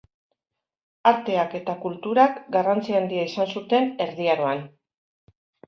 Arteak eta kulturak garrantzi handia izan zuten Erdi Aroan.